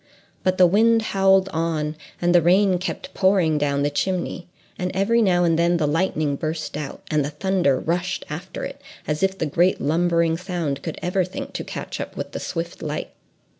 But the wind howled on, and the rain kept pouring down the chimney, and every now and then the lightning burst out, and the thunder rushed after it, as if the great lumbering sound could ever think to catch up with the swift light!